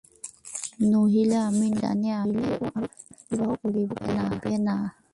নহিলে, আমি নিশ্চয় জানি, আমি মরিলে ও আর বিবাহই করিবে না।